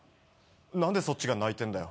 何でそっちが泣いてんだよ。